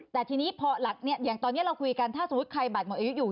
แต่ทีนี้ตอนนี้เราคุยกันถ้าสมมติใครบัตรหมดอายุอยู่